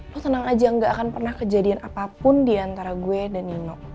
lo tenang aja gak akan pernah kejadian apapun diantara gue dan nino